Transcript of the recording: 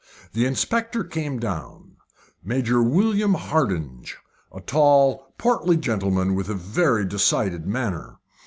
The inspector came down Major William Hardinge. A tall, portly gentleman, with a very decided manner.